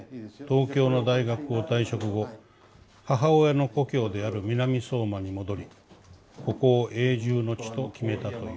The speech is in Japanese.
東京の大学を退職後母親の故郷である南相馬に戻りここを永住の地と決めたという。